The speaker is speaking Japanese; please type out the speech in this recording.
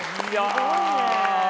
すごいねえ。